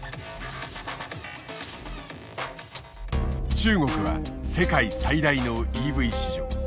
中国は世界最大のＥＶ市場。